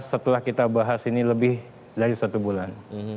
setelah kita bahas ini lebih dari satu bulan